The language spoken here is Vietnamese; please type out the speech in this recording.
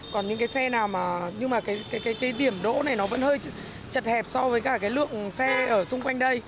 còn những cái xe nào mà nhưng mà cái điểm đỗ này nó vẫn hơi chật hẹp so với cả cái lượng xe ở xung quanh đây